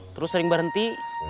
terus sering berhenti